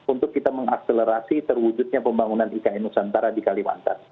untuk kita mengakselerasi terwujudnya pembangunan ikn nusantara di kalimantan